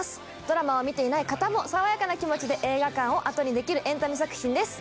ドラマを見ていない方も爽やかな気持ちで映画館をあとにできるエンタメ作品です。